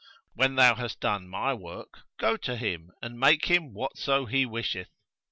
When thou hast done my work, go to him and make him whatso he wisheth.'